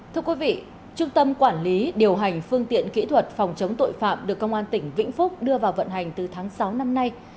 thưa quý vị trung tâm quản lý điều hành phương tiện kỹ thuật phòng chống tội phạm được công an tỉnh vĩnh phúc đưa vào vận hành từ tháng sáu năm nay